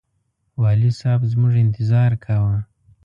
والي صاحب زموږ انتظار کاوه.